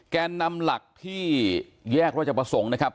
แกนนำหลักที่แยกราชประสงค์นะครับ